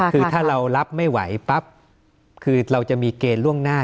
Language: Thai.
คือถ้าเรารับไม่ไหวปั๊บคือเราจะมีเกณฑ์ล่วงหน้า